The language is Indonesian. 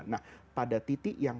nah pada titik yang